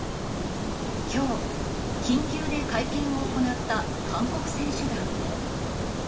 きょう、緊急で会見を行った韓国選手団。